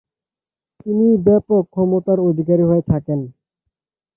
তিনি ব্যাপক ক্ষমতার অধিকারী হয়ে থাকেন।